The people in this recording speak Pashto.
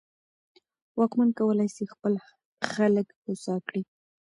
واکمن کولای سي خپل خلګ هوسا کړي.